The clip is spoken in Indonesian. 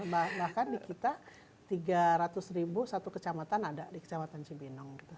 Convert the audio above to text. bahkan di kita tiga ratus ribu satu kecamatan ada di kecamatan cibinong gitu